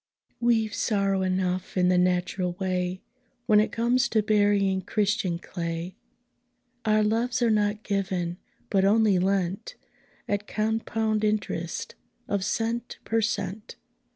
We've sorrow enough in the natural way, When it comes to burying Christian clay. Our loves are not given, but only lent, At compound interest of cent per cent.